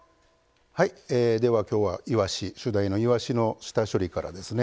今日は主題のいわしの下処理からですね。